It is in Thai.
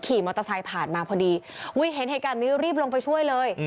ขี่มอเตอร์ไซค์ผ่านมาพอดีอุ้ยเห็นเหตุการณ์นี้รีบลงไปช่วยเลย